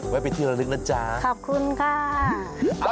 ไว้ไปเที่ยวละนึงนะจ๊ะขอบคุณค่ะ